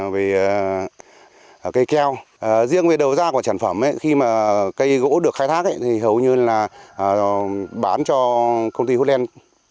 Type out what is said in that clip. về cây keo riêng về đầu ra của trản phẩm khi mà cây gỗ được khai thác thì hầu như là bán cho công ty hút len